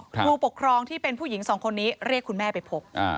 ผู้ปกครองที่เป็นผู้หญิงสองคนนี้เรียกคุณแม่ไปพบ